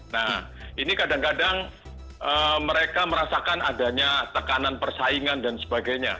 nah ini kadang kadang mereka merasakan adanya tekanan persaingan dan sebagainya